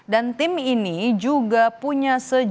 dan tim ini juga punya sejujurnya